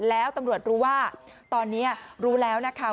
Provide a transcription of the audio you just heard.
แล้วตำรวจรู้ว่าตอนนี้รู้แล้วนะคะ